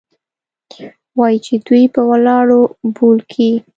وايي چې دوى په ولاړو بول كيې؟